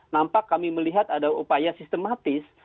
nampak kami melihat ada upaya sistematis